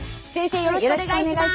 よろしくお願いします。